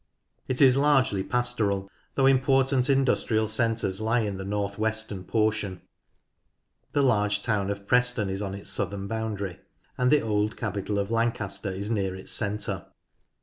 It is largely pastoral, though important industrial centres lie in the north western portion ; the large town of Preston is on its southern boundary; and the old capital of Lancaster is near its centre.